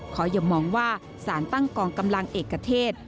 ขอยมองว่าสารตั้งกองกำลังเอกเกษตร